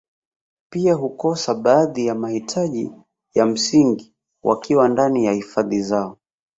Pia hukosa baadhi ya mahitaji ya msingi wakiwa ndani ya hifadhi zao